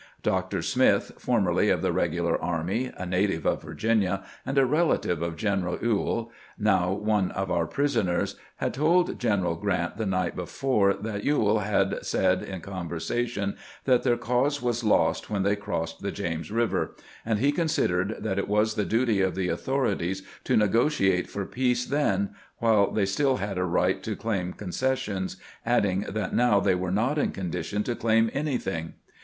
Dr. Smith, formerly of the regular army, a native of Vir ginia, and a relative of General EweU, now one of our prisoners, had told General Grant the night before that EweU had said in conversation that their cause was lost when they crossed the James River, and he considered that it was the duty of the authorities to negotiate for peace then, while they stiU had a right to claim conces sions, adding that now they were not in condition to claim anything.